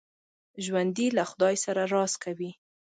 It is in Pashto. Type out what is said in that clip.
ژوندي له خدای سره راز کوي